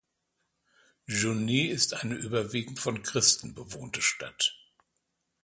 Jounieh ist eine überwiegend von Christen bewohnte Stadt.